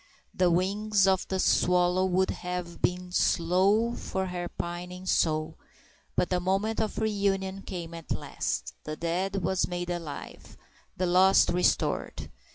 The wings of the swallow would have been slow for her pining soul; but the moment of reunion came at last—the dead was made alive, the lost restored.